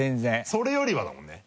それよりはだもんね。